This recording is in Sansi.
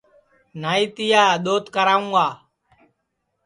نائی تیا دؔوت کراوں گا